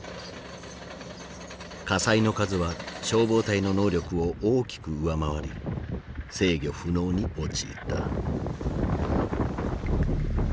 火災の数は消防隊の能力を大きく上回り制御不能に陥った。